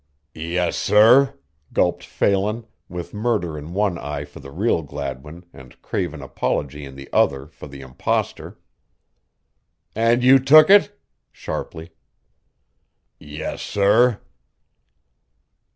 "Yes, sir," gulped Phelan, with murder in one eye for the real Gladwin and craven apology in the other for the impostor. "And you took it?" sharply. "Yes, sir."